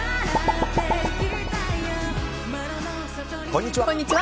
こんにちは。